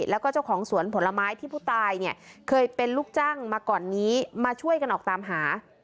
แล้วก็เจ้าของสวนผลไม้ที่ผู้ตายเนี่ยเคยเป็นลูกจ้างมาก่อนนี้มาช่วยกันออกตามหา